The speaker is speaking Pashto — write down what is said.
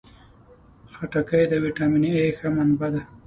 خټکی د ویټامین A ښه منبع ده.